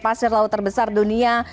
pasir laut terbesar dunia